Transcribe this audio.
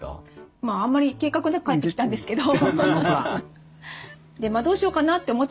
まああんまり計画なく帰ってきたんですけど。